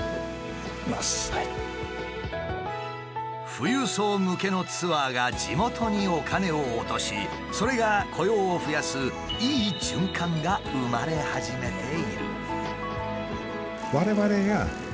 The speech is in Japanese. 富裕層向けのツアーが地元にお金を落としそれが雇用を増やすいい循環が生まれ始めている。